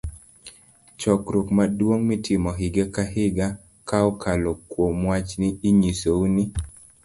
Chokruok Maduong' Mitimo Higa ka Higa .ka okalo kuom wach ni, inyiso u ni